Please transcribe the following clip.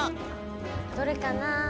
どれかな？